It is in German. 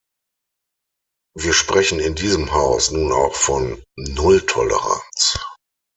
Wir sprechen in diesem Haus nun auch von Nulltoleranz.